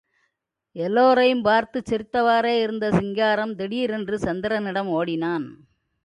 எல்லோரையும் பார்த்துச் சிரித்தவாறே இருந்த சிங்காரம், திடீரென்று சந்திரனிடம் ஓடினான்.